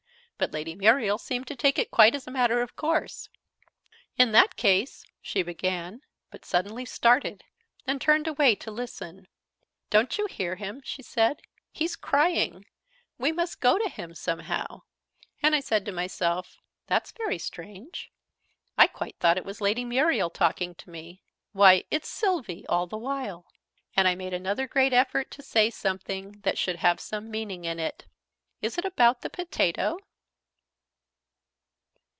But Lady Muriel seemed to take it quite as a matter of course. "In that case " she began, but suddenly started, and turned away to listen. "Don't you hear him?" she said. "He's crying. We must go to him, somehow." And I said to myself "That's very strange." I quite thought it was Lady Muriel talking to me. "Why, it's Sylvie all the while!" And I made another great effort to say something that should have some meaning in it. "Is it about the potato?"